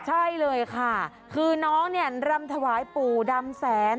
ใช่เลยค่ะคือน้องเนี่ยรำถวายปู่ดำแสน